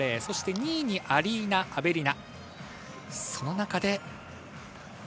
２位にアリーナ・アベリナ。